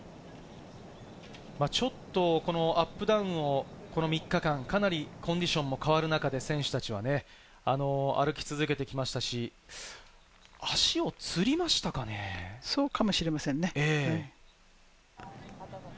ちょっとアップダウンを３日間、かなりコンディションも変わる中で選手たちは歩け続けてきましたそうかもしれませんね。